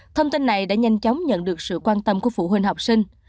thông tin này đã nhanh chóng nhận được sự quan tâm của phụ huynh học sinh